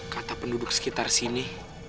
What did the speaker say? kata penduduk sekitar sini